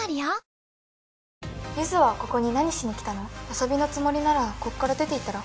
遊びのつもりならここから出て行ったら？